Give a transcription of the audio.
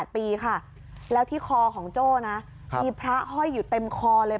๘ปีค่ะแล้วที่คอของโจ้นะมีพระห้อยอยู่เต็มคอเลย